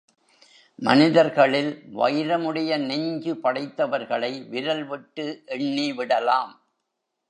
மனிதர்களில் வைரமுடைய நெஞ்சு படைத்தவர்களை விரல் விட்டு எண்ணிவிடலாம்.